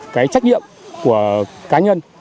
cái trách nhiệm của cá nhân